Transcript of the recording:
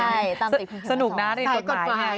ใช่ตามติดคุณเขมมาสอนใส่กฎหมาย